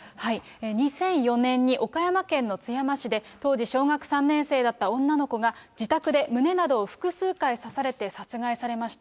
２００４年に、岡山県の津山市で、当時小学３年生だった女の子が自宅で胸などを複数回刺されて、殺害されました。